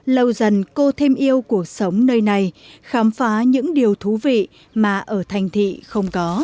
lâu dần cô thêm yêu cuộc sống nơi này khám phá những điều thú vị mà ở thành thị không có